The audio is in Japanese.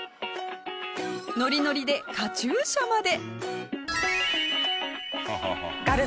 ノリノリでカチューシャまで。